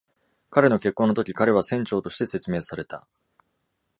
彼の結婚の時、彼は船長として説明された。